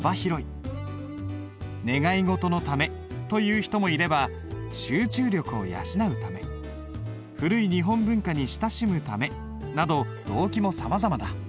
願い事のためという人もいれば集中力を養うため古い日本文化に親しむためなど動機もさまざまだ。